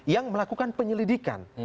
yang melakukan penyelidikan